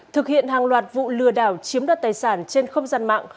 thực hiện hàng loạt vụ lừa đảo chiếm đoạt tài sản trên không gian mạng